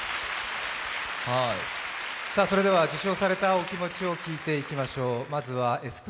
受賞されたお気持ちを聞いていきましょう。